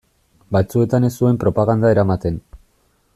Batzuetan ez zuen propaganda eramaten.